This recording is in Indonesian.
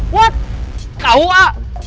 what kau ah